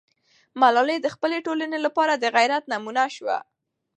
ملالۍ د خپلې ټولنې لپاره د غیرت نمونه سوه.